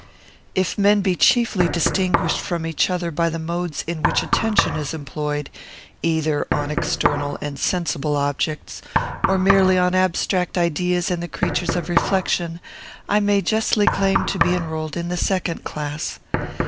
If men be chiefly distinguished from each other by the modes in which attention is employed, either on external and sensible objects, or merely on abstract ideas and the creatures of reflection, I may justly claim to be enrolled in the second class.